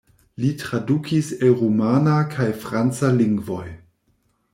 Li tradukis el rumana kaj franca lingvoj.